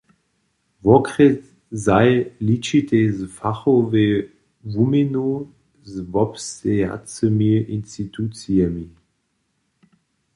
Wokrjesaj ličitej z fachowej wuměnu z wobstejacymi institucijemi.